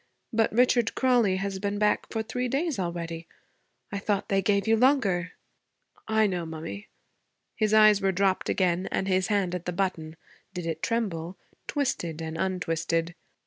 But Richard Crawley has been back for three days already. I thought they gave you longer?' 'I know, mummy.' His eyes were dropped again and his hand at the button did it tremble? twisted and untwisted.